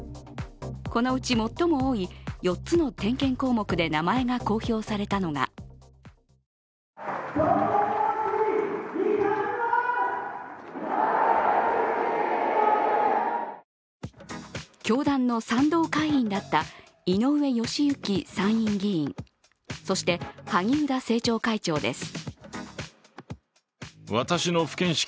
このうち最も多い４つの点検項目で名前が公表されたのが教団の賛同会員だった井上義行参院議員、そして萩生田政調会長です。